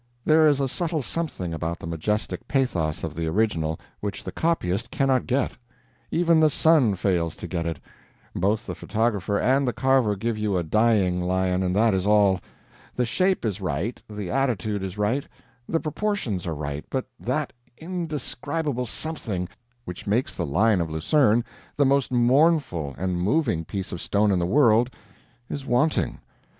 There is a subtle something about the majestic pathos of the original which the copyist cannot get. Even the sun fails to get it; both the photographer and the carver give you a dying lion, and that is all. The shape is right, the attitude is right, the proportions are right, but that indescribable something which makes the Lion of Lucerne the most mournful and moving piece of stone in the world, is wanting.